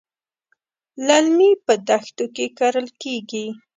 للمي په دښتو کې کرل کېږي.